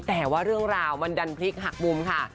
แต่ว่าเรื่องราวมันดันพลิกหักมุมค่ะ